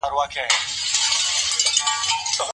دا نظر په شرعي لحاظ صحيح دی که نه؟